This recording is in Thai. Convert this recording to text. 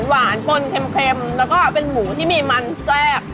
หวานปนเค็มแล้วก็เป็นหมูที่มีมันแซ่บ